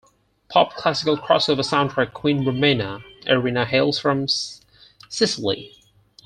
Pop Classical Crossover soundtrack queen Romina Arena hails from Sicily.